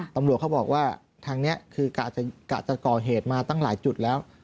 ตำรวจเขาบอกว่าทางนี้คือกะจะก่อเหตุมาตั้งหลายจุดแล้ว